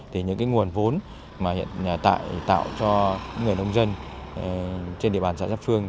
thì những cái nguồn vốn mà hiện tại tạo cho những người nông dân trên địa bàn xã xã phương